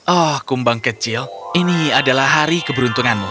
oh kumbang kecil ini adalah hari keberuntunganmu